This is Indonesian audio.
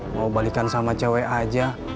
mau balikan sama cewek aja